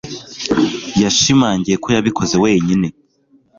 Yashimangiye ko yabikoze wenyine